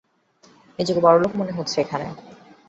নিজেকে বড়লোক মনে হচ্ছে এখানে।